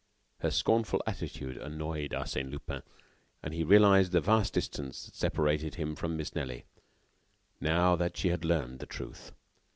Her scornful attitude annoyed Arsène Lupin; and he realized the vast distance that separated him from Miss Nelly, now that she had learned the truth.